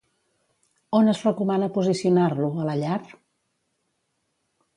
On es recomana posicionar-lo, a la llar?